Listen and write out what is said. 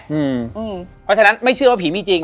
เพราะฉะนั้นไม่เชื่อว่าผีมีจริง